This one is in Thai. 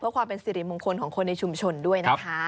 เพื่อความเป็นสิริมงคลของคนในชุมชนด้วยนะคะ